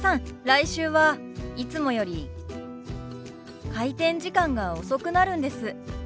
来週はいつもより開店時間が遅くなるんです。